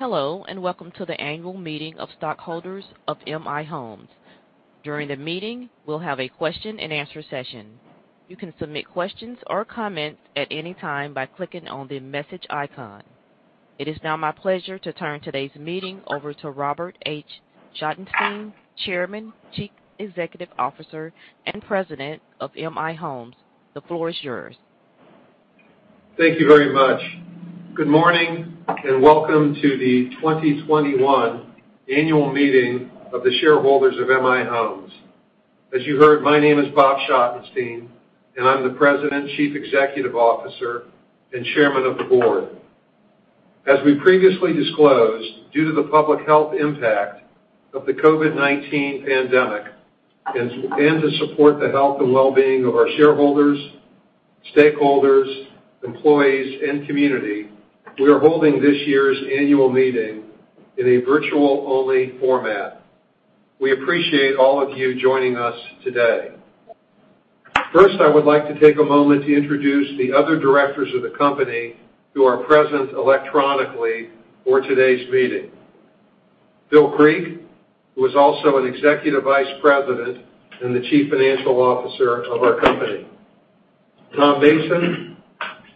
Hello, Welcome to the Annual Meeting of Stockholders of M/I Homes. During the meeting, we'll have a question and answer session. You can submit questions or comments at any time by clicking on the message icon. It is now my pleasure to turn today's meeting over to Robert H. Schottenstein, Chairman, Chief Executive Officer, and President of M/I Homes. The floor is yours. Thank you very much. Good morning, and welcome to the 2021 annual meeting of the shareholders of M/I Homes. As you heard, my name is Robert H. Schottenstein, and I'm the President, Chief Executive Officer, and Chairman of the Board. As we previously disclosed, due to the public health impact of the COVID-19 pandemic and to support the health and well-being of our shareholders, stakeholders, employees, and community, we are holding this year's annual meeting in a virtual-only format. We appreciate all of you joining us today. First, I would like to take a moment to introduce the other directors of the company who are present electronically for today's meeting. Phil Creek, who is also an Executive Vice President and the Chief Financial Officer of our company. Tom Mason,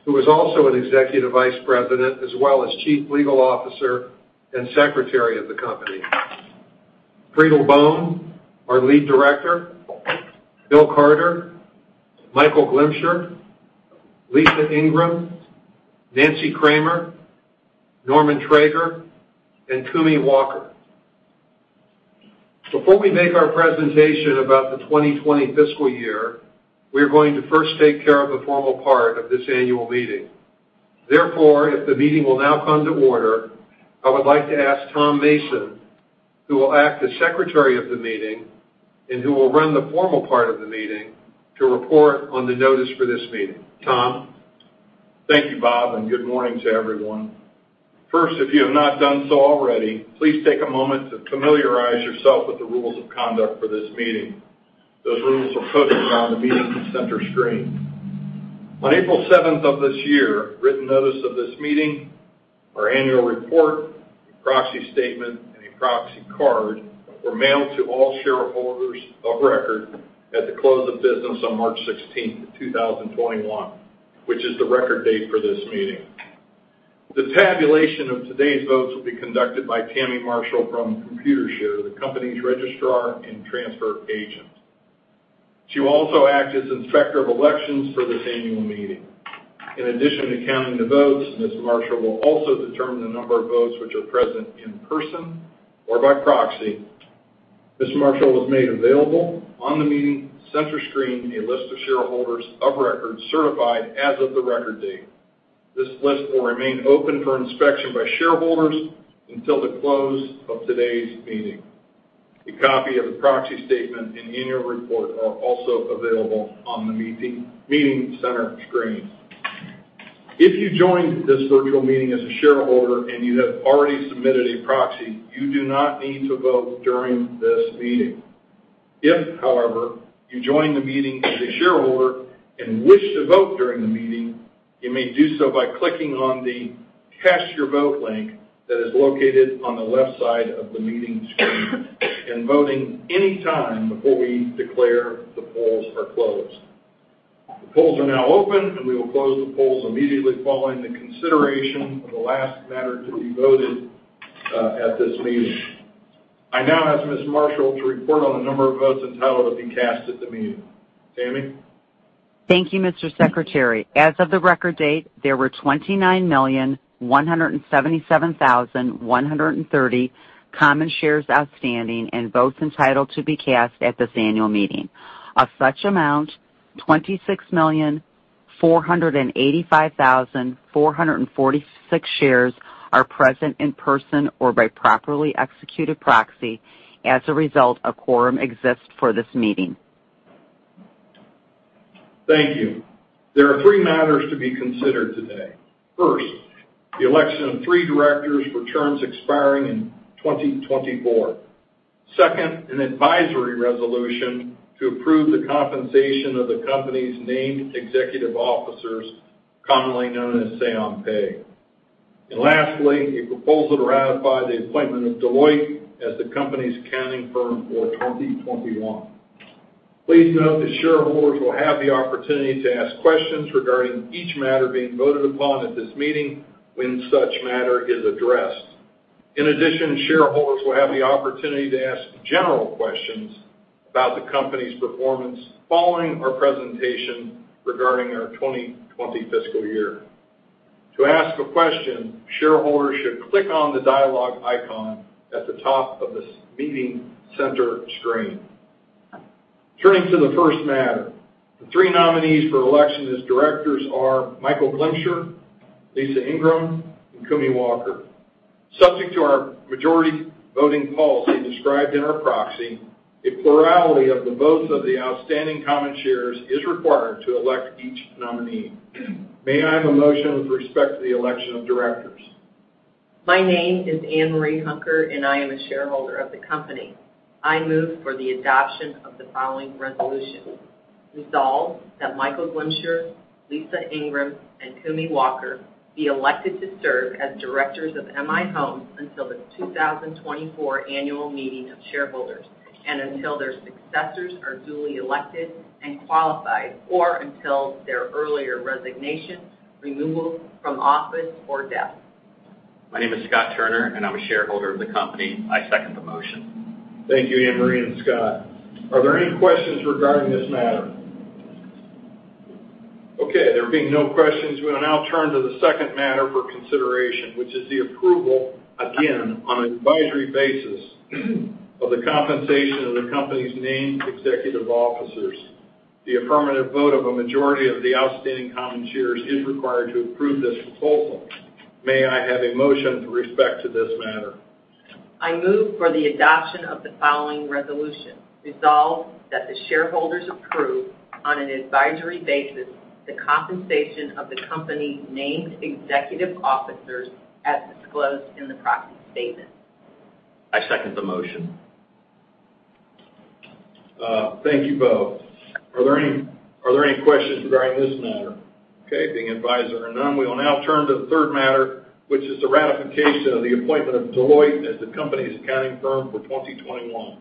who is also an Executive Vice President as well as Chief Legal Officer and Secretary of the company. Friedl Bohm, our lead director. Bill Carter, Michael Glimcher, Lisa Ingram, Nancy Kramer, Norman Traeger, and Kumi Walker. Before we make our presentation about the 2020 fiscal year, we are going to first take care of the formal part of this annual meeting. If the meeting will now come to order, I would like to ask Tom Mason, who will act as secretary of the meeting and who will run the formal part of the meeting, to report on the notice for this meeting. Tom? Thank you, Bob, and good morning to everyone. First, if you have not done so already, please take a moment to familiarize yourself with the rules of conduct for this meeting. Those rules are posted on the meeting center screen. On April 7th of this year, written notice of this meeting, our annual report, proxy statement, and a proxy card were mailed to all shareholders of record at the close of business on March 16th of 2021, which is the record date for this meeting. The tabulation of today's votes will be conducted by Tammy Marshall from Computershare, the company's registrar and transfer agent. She will also act as Inspector of Elections for this annual meeting. In addition to counting the votes, Ms. Marshall will also determine the number of votes which are present in person or by proxy. Ms. Marshall has made available on the meeting center screen a list of shareholders of record certified as of the record date. This list will remain open for inspection by shareholders until the close of today's meeting. A copy of the proxy statement and annual report are also available on the meeting center screen. If you joined this virtual meeting as a shareholder and you have already submitted a proxy, you do not need to vote during this meeting. If, however, you join the meeting as a shareholder and wish to vote during the meeting, you may do so by clicking on the Cast your vote link that is located on the left side of the meeting screen and voting any time before we declare the polls are closed. The polls are now open, and we will close the polls immediately following the consideration of the last matter to be voted on at this meeting. I now ask Ms. Marshall to report on the number of votes entitled to be cast at the meeting. Tammy? Thank you, Mr. Secretary. As of the record date, there were 29,177,130 common shares outstanding and votes entitled to be cast at this annual meeting. Of such amount, 26,485,446 shares are present in person or by properly executed proxy. As a result, a quorum exists for this meeting. Thank you. There are three matters to be considered today. First, the election of three directors for terms expiring in 2024. Second, an advisory resolution to approve the compensation of the company's named executive officers, commonly known as say on pay. [And] lastly, a proposal to ratify the appointment of Deloitte as the company's accounting firm for 2021. Please note that shareholders will have the opportunity to ask questions regarding each matter being voted upon at this meeting when such matter is addressed. In addition, shareholders will have the opportunity to ask general questions about the company's performance following our presentation regarding our 2020 fiscal year. To ask a question, shareholders should click on the dialogue icon at the top of this meeting center screen. Turning to the first matter, the three nominees for election as directors are Michael Glimcher, Lisa Ingram, and Kumi Walker. Subject to our majority voting policy described in our proxy, a plurality of the votes of the outstanding common shares is required to elect each nominee. May I have a motion with respect to the election of directors? My name is Anne Marie Hunker, and I am a shareholder of the company. I move for the adoption of the following resolution. Resolve that Michael Glimcher, Lisa Ingram, and Kumi Walker be elected to serve as directors of M/I Homes until the 2024 annual meeting of shareholders and until their successors are duly elected and qualified, or until their earlier resignation, removal from office, or death. My name is Scott Turner, and I'm a shareholder of the company. I second the motion. Thank you, Anne Marie and Scott. Are there any questions regarding this matter? Okay, there being no questions, we will now turn to the second matter for consideration, which is the approval, again, on an advisory basis, of the compensation of the company's named executive officers. The affirmative vote of a majority of the outstanding common shares is required to approve this proposal. May I have a motion with respect to this matter? I move for the adoption of the following resolution: Resolve that the shareholders approve, on an advisory basis, the compensation of the company's named executive officers as disclosed in the proxy statement. I second the motion. Thank you both. Are there any questions regarding this matter? Okay, being advised there are none, we will now turn to the third matter, which is the ratification of the appointment of Deloitte as the company's accounting firm for 2021.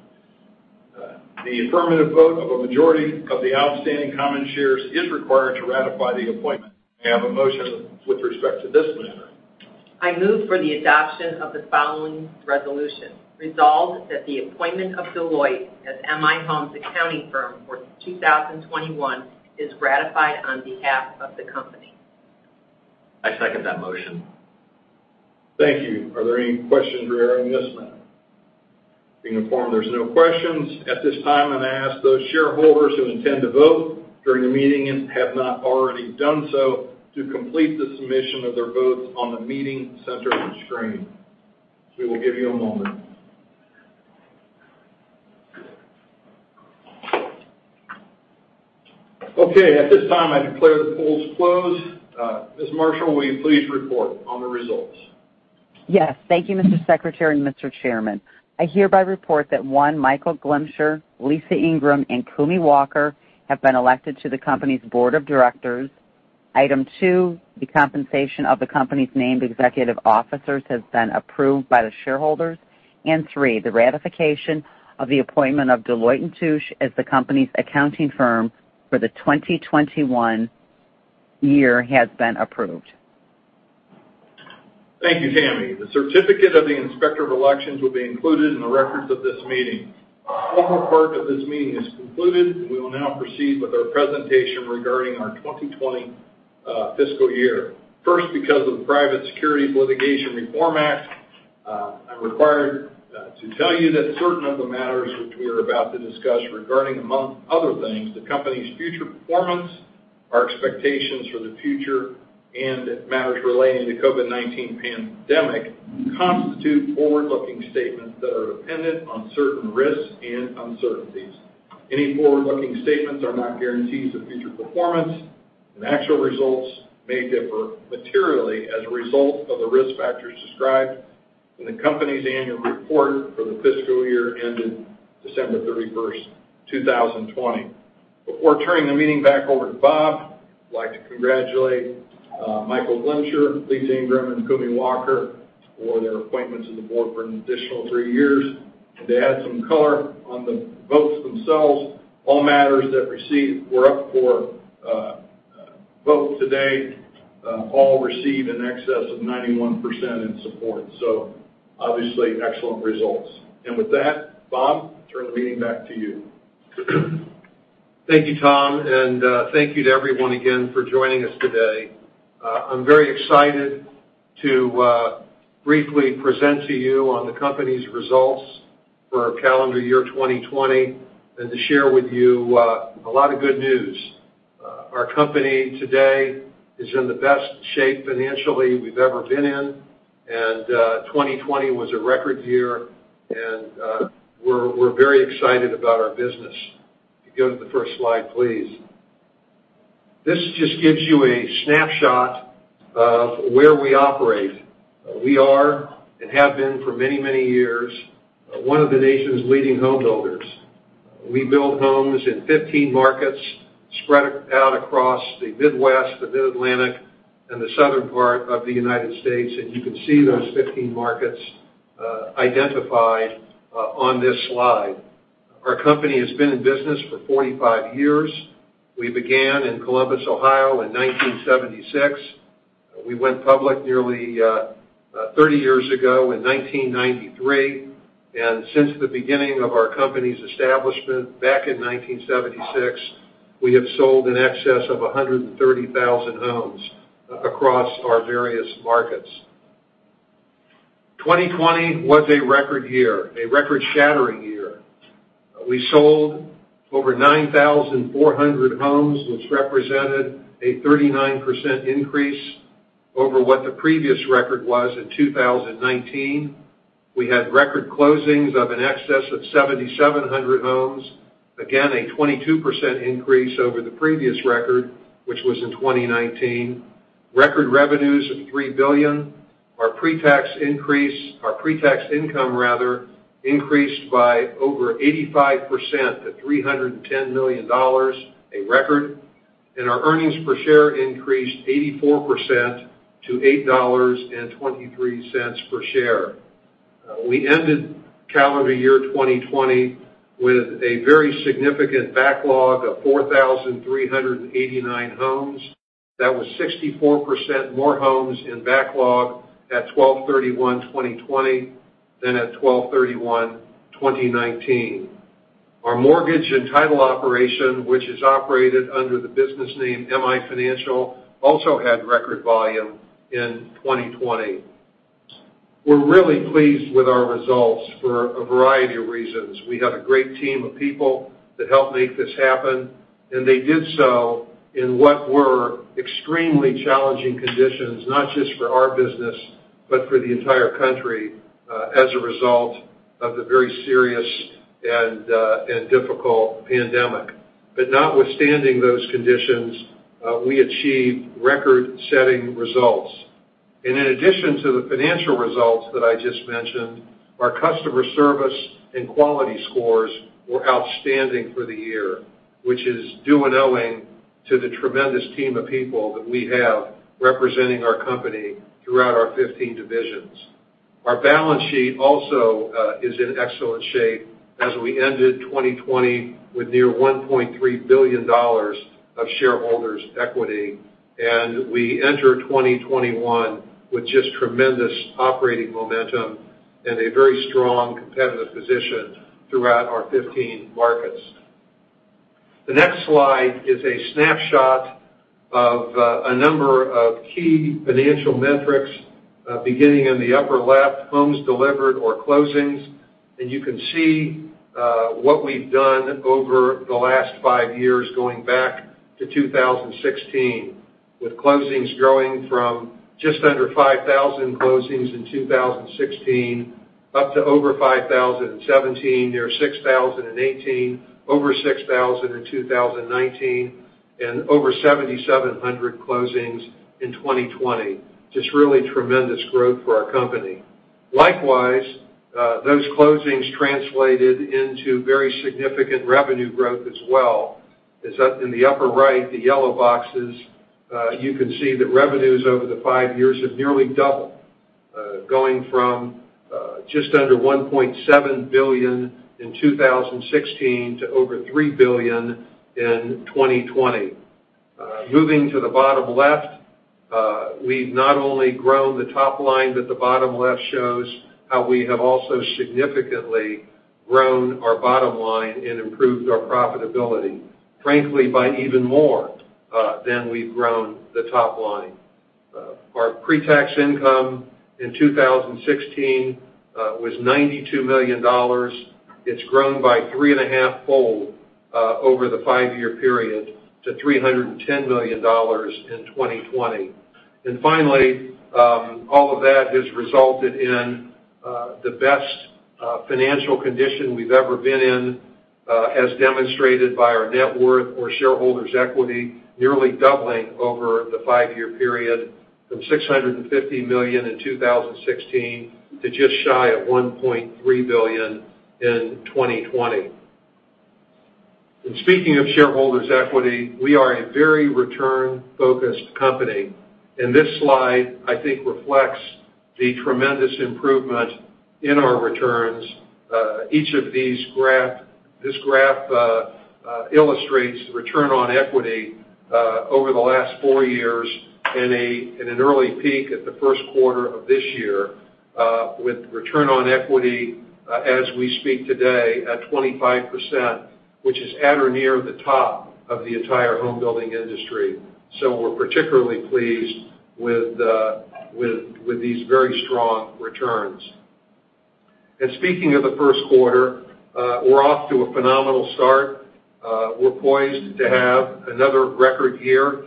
The affirmative vote of a majority of the outstanding common shares is required to ratify the appointment. May I have a motion with respect to this matter? I move for the adoption of the following resolution: Resolve that the appointment of Deloitte as M/I Homes' accounting firm for 2021 is ratified on behalf of the company. I second that motion. Thank you. Are there any questions regarding this matter? Being informed there's no questions, at this time, I'm going to ask those shareholders who intend to vote during the meeting and have not already done so to complete the submission of their votes on the meeting center of the screen. We will give you a moment. Okay. At this time, I declare the polls closed. Ms. Marshall, will you please report on the results? Yes. Thank you, Mr. Secretary and Mr. Chairman. I hereby report that, one, Michael Glimcher, Lisa Ingram, and Kumi Walker have been elected to the company's board of directors. Item two, the compensation of the company's named executive officers has been approved by the shareholders. Three, the ratification of the appointment of Deloitte & Touche as the company's accounting firm for the 2021 year has been approved. Thank you, Tammy. The certificate of the Inspector of Elections will be included in the records of this meeting. The formal part of this meeting is concluded. We will now proceed with our presentation regarding our 2020 fiscal year. First, because of the Private Securities Litigation Reform Act, I'm required to tell you that certain of the matters which we are about to discuss regarding, among other things, the company's future performance, our expectations for the future, and matters relating to COVID-19 pandemic, constitute forward-looking statements that are dependent on certain risks and uncertainties. Any forward-looking statements are not guarantees of future performance, and actual results may differ materially as a result of the risk factors described in the company's annual report for the fiscal year ended December 31st, 2020. Before turning the meeting back over to Bob, I'd like to congratulate Michael Glimcher, Lisa Ingram, and Kumi Walker for their appointments to the board for an additional three years. To add some color on the votes themselves, all matters that were up for vote today all received in excess of 91% in support. Obviously, excellent results. With that, Bob, I'll turn the meeting back to you. Thank you, Tom. Thank you to everyone again for joining us today. I'm very excited to briefly present to you on the company's results for our calendar year 2020 and to share with you a lot of good news. Our company today is in the best shape financially we've ever been in, and 2020 was a record year, and we're very excited about our business. If you go to the first slide, please. This just gives you a snapshot of where we operate. We are, and have been for many, many years, one of the nation's leading home builders. We build homes in 15 markets spread out across the Midwest, the Mid-Atlantic, and the southern part of the United States. You can see those 15 markets identified on this slide. Our company has been in business for 45 years. We began in Columbus, Ohio, in 1976. We went public nearly 30 years ago in 1993. Since the beginning of our company's establishment back in 1976, we have sold in excess of 130,000 homes across our various markets. 2020 was a record year, a record-shattering year. We sold over 9,400 homes, which represented a 39% increase over what the previous record was in 2019. We had record closings of in excess of 7,700 homes. Again, a 22% increase over the previous record, which was in 2019. Record revenues of $3 billion. Our pre-tax income increased by over 85% to $310 million, a record. Our earnings per share increased 84% to $8.23 per share. We ended calendar year 2020 with a very significant backlog of 4,389 homes. That was 64% more homes in backlog at 12/31/2020 than at 12/31/2019. Our mortgage and title operation, which is operated under the business name M/I Financial, also had record volume in 2020. We're really pleased with our results for a variety of reasons. We have a great team of people that help make this happen. They did so in what were extremely challenging conditions, not just for our business, but for the entire country, as a result of the very serious and difficult pandemic. Notwithstanding those conditions, we achieved record-setting results. In addition to the financial results that I just mentioned, our customer service and quality scores were outstanding for the year, which is due and owing to the tremendous team of people that we have representing our company throughout our 15 divisions. Our balance sheet also is in excellent shape, as we ended 2020 with near $1.3 billion of shareholders' equity, and we enter 2021 with just tremendous operating momentum and a very strong competitive position throughout our 15 markets. The next slide is a snapshot of a number of key financial metrics. Beginning in the upper left, homes delivered or closings, and you can see what we've done over the last five years, going back to 2016, with closings growing from just under 5,000 closings in 2016 up to over 5,000 in 2017, near 6,000 in 2018, over 6,000 in 2019, and over 7,700 closings in 2020. Just really tremendous growth for our company. Likewise, those closings translated into very significant revenue growth as well. In the upper right, the yellow boxes, you can see that revenues over the five years have nearly doubled, going from just under $1.7 billion in 2016 to over $3 billion in 2020. Moving to the bottom left, we've not only grown the top line, but the bottom left shows how we have also significantly grown our bottom line and improved our profitability, frankly, by even more than we've grown the top line. Our pre-tax income in 2016 was $92 million. It's grown by three and a half fold over the five-year period to $310 million in 2020. Finally, all of that has resulted in the best financial condition we've ever been in, as demonstrated by our net worth or shareholders' equity nearly doubling over the five-year period from $650 million in 2016 to just shy of $1.3 billion in 2020. Speaking of shareholders' equity, we are a very return-focused company, and this slide, I think, reflects the tremendous improvement in our returns. This graph illustrates return on equity over the last four years in an early peak at the first quarter of this year, with return on equity, as we speak today, at 25%, which is at or near the top of the entire home building industry. We're particularly pleased with these very strong returns. Speaking of the first quarter, we're off to a phenomenal start. We're poised to have another record year.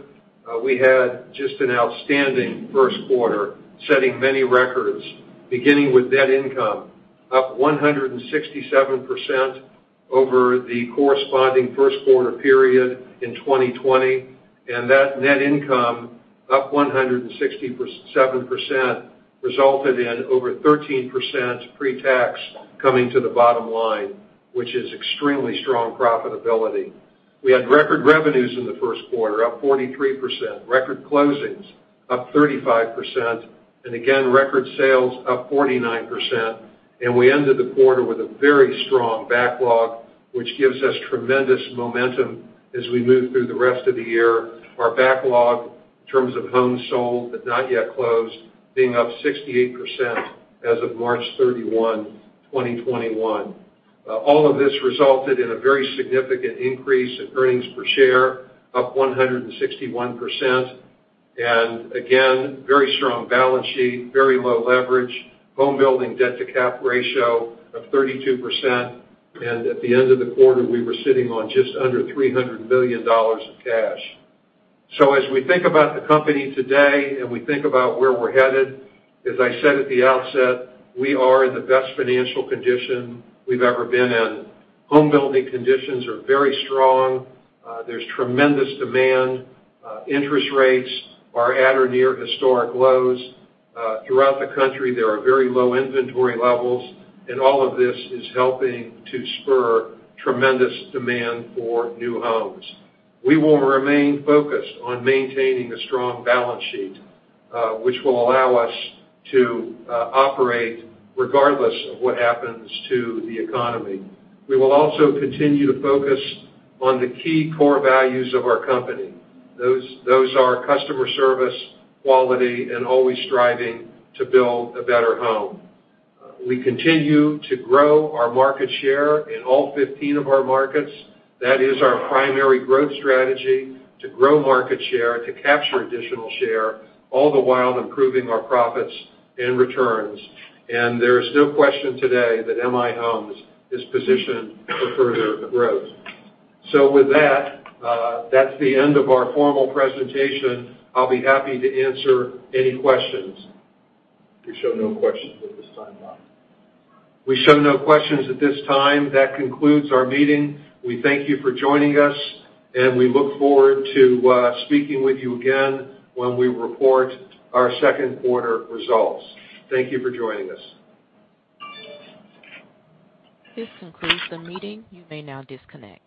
We had just an outstanding first quarter, setting many records, beginning with net income up 167% over the corresponding first quarter period in 2020. That net income up 167% resulted in over 13% pre-tax coming to the bottom line, which is extremely strong profitability. We had record revenues in the first quarter, up 43%, record closings up 35%, and again, record sales up 49%, and we ended the quarter with a very strong backlog, which gives us tremendous momentum as we move through the rest of the year. Our backlog in terms of homes sold but not yet closed, being up 68% as of March 31, 2021. All of this resulted in a very significant increase in earnings per share, up 161%, and again, very strong balance sheet, very low leverage, home building debt to cap ratio of 32%, and at the end of the quarter, we were sitting on just under $300 million of cash. As we think about the company today and we think about where we're headed, as I said at the outset, we are in the best financial condition we've ever been in. Home building conditions are very strong. There's tremendous demand. Interest rates are at or near historic lows. Throughout the country, there are very low inventory levels, and all of this is helping to spur tremendous demand for new homes. We will remain focused on maintaining a strong balance sheet, which will allow us to operate regardless of what happens to the economy. We will also continue to focus on the key core values of our company. Those are customer service, quality, and always striving to build a better home. We continue to grow our market share in all 15 of our markets. That is our primary growth strategy, to grow market share, to capture additional share, all the while improving our profits and returns. There is no question today that M/I Homes is positioned for further growth. With that's the end of our formal presentation. I'll be happy to answer any questions. We show no questions at this time, Bob. We show no questions at this time. That concludes our meeting. We thank you for joining us, and we look forward to speaking with you again when we report our second quarter results. Thank you for joining us. This concludes the meeting. You may now disconnect.